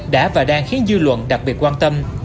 đã và đang khiến dư luận đặc biệt quan tâm